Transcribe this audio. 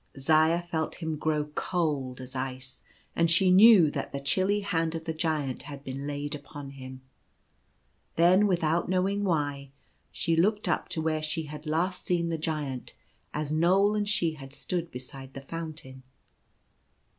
Zaya felt him grow cold as ice, and she knew that the chilly hand of the Giant had been laid upon him. Then, without knowing why, she looked up to where she had last seen the Giant as Knoal and she had stood beside the fountain.